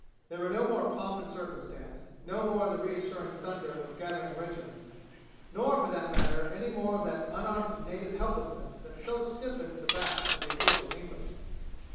There were no more pomp and circumstance; no more of the reassuring thunder of gathering regiments, nor for that matter any more of that unarmed native helplessness that so stiffens the backs of the official English.